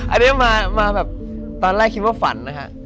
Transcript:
อันนี้มาแบบตอนแรกคิดว่าฝันนะฮะ